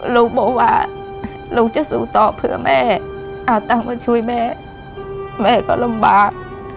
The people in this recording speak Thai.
ลูกบอกว่าลูกจะสู้ต่อเพื่อแม่เอาตังค์มาช่วยแม่แม่ก็ลำบาก